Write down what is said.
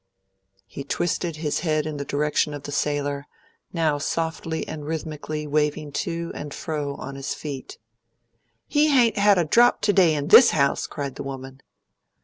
He twisted his head in the direction of the sailor, now softly and rhythmically waving to and fro on his feet. "He hain't had a drop to day in THIS house!" cried the woman.